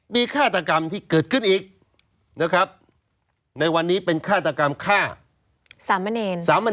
มีฆาตกรรมที่เกิดขึ้นอีกนะครับในวันนี้เป็นฆาตกรรมฆ่าสามเณร